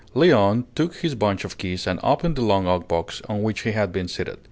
Léon took his bunch of keys and opened the long oak box on which he had been seated.